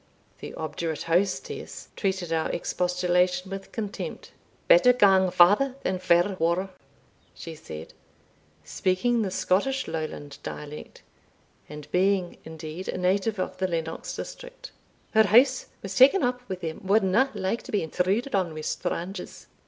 The obdurate hostess treated our expostulation with contempt. "Better gang farther than fare waur," she said, speaking the Scottish Lowland dialect, and being indeed a native of the Lennox district "Her house was taen up wi' them wadna like to be intruded on wi' strangers.